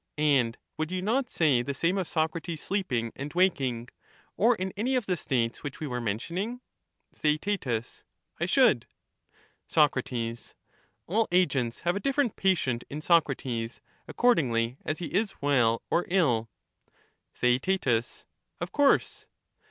And would you not say the same of Socrates sleeping and waking, or in any of the states which we were mentioning? Theaet I should. Soc. All agents have a different patient in Socrates, accordingly as he is well or ill. Theaet Of course.